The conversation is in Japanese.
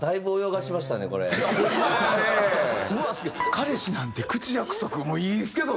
「彼氏なんて口約束」もいいですけどねなんか。